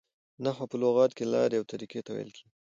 نحوه په لغت کښي لاري او طریقې ته ویل کیږي.